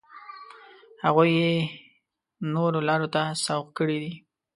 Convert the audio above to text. هغوی یې نورو لارو ته سوق کړي دي.